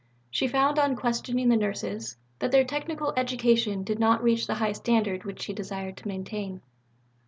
She found on questioning the Nurses that their technical education did not reach the high standard which she desired to maintain.